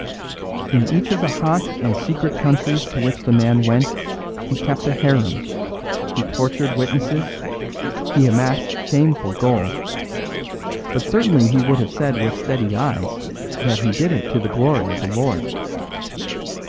"In each of the hot and secret countries to which the man went he kept a harem, he tortured witnesses, he amassed shameful gold; but certainly he would have said with steady eyes that he did it to the glory of the Lord.